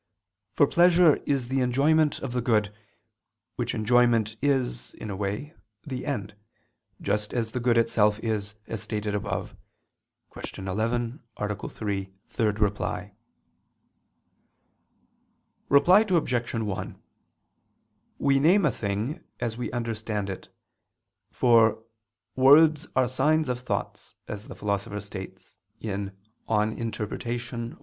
For pleasure is the enjoyment of the good, which enjoyment is, in a way, the end, just as the good itself is, as stated above (Q. 11, A. 3, ad 3). Reply Obj. 1: We name a thing as we understand it, for "words are signs of thoughts," as the Philosopher states (Peri Herm. i, 1).